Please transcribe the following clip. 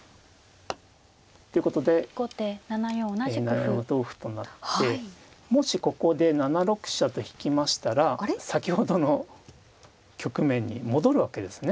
ということで７四同歩となってもしここで７六飛車と引きましたら先ほどの局面に戻るわけですね。